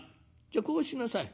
じゃあこうしなさい。